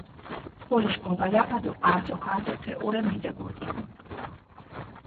თოლიშ გოვალაფა დო არძოქ ართო თეჸურე მიდეგურგინჷ.